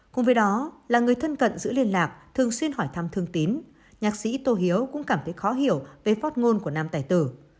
cùng với đó là người thân cận giữ liên lạc thường xuyên hỏi thăm thương tín nhạc sĩ tô hiếu cũng cảm thấy khó hiểu về phát ngôn của nam tài tử